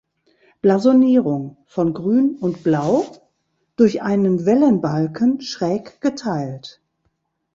Blasonierung: „Von Grün und Blau durch einen Wellenbalken schräg geteilt.